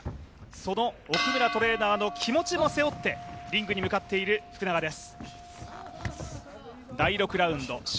その奥村トレーナーの気持ちも背負ってリングに向かっている福永です。